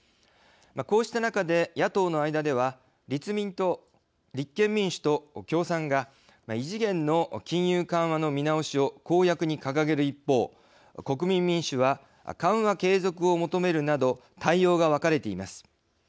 こうした中で野党の間では立憲民主と共産が異次元の金融緩和の見直しを公約に掲げる一方国民民主は緩和継続を求めるなど対応が分かれています。